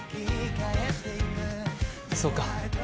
そうか。